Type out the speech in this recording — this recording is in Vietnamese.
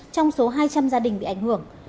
trong số hai trăm linh gia đình bị ảnh hưởng